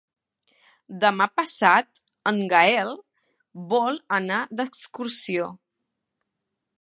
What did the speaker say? Demà passat en Gaël vol anar d'excursió.